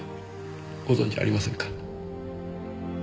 ご存じありませんか？